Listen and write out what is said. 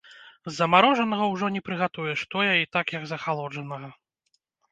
З замарожанага ўжо не прыгатуеш тое і так, як з ахалоджанага.